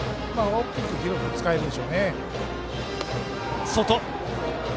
大きく広く使えるでしょうね。